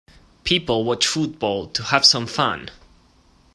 People watch football to have some fun.